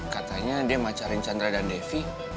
katanya dia macarin chandra dan devi